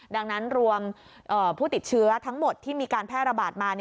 ดังนั้นรวมผู้ติดเชื้อทั้งหมดที่มีการแพร่ระบาดมา